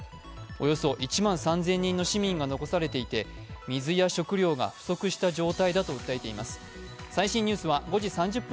およそ１万３０００人の市民が残されていて水や食料が不足した状態だと訴えています。